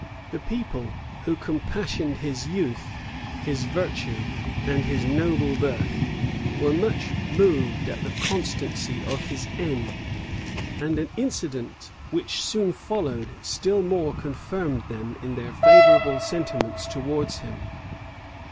The people, who compassionated his youth, his virtue, and his noble birth, were much moved at the constancy of his end; and an incident which soon followed still more confirmed them in their favorable sentiments towards him.